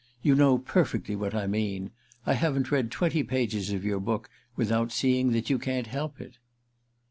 "You know perfectly what I mean. I haven't read twenty pages of your book without seeing that you can't help it."